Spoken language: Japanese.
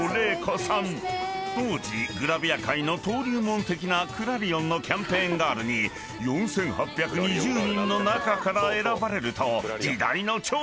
［当時グラビア界の登竜門的なクラリオンのキャンペーンガールに４，８２０人の中から選ばれると時代の寵児に！］